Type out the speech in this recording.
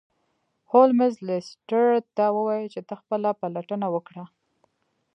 هولمز لیسټرډ ته وویل چې ته خپله پلټنه وکړه.